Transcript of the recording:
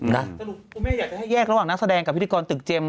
สรุปคุณแม่อยากจะให้แยกระหว่างนักแสดงกับพิธีกรตึกเจมส